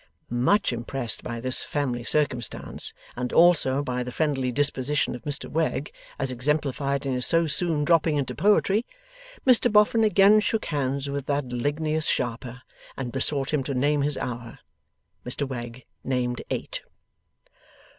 Much impressed by this family circumstance, and also by the friendly disposition of Mr Wegg, as exemplified in his so soon dropping into poetry, Mr Boffin again shook hands with that ligneous sharper, and besought him to name his hour. Mr Wegg named eight.